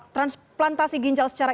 transplantasi ginjal secara